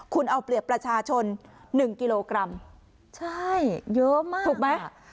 คุณเอาเปรียบประชาชน๑กิโลกรัมใช่เยอะมากถูกไหม